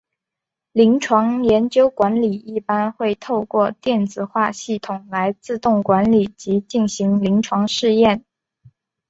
临床研究管理一般会透过电子化系统来自动管理及进行临床试验。